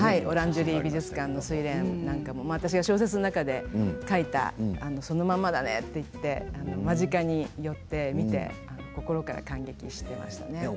オランジュリー美術館の「睡蓮」なんかも私が小説の中で書いたそのまんまだねっていって間近に寄って見て心から感激してましたね。